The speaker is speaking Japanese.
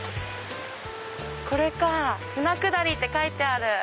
これか「舟下り」って書いてある。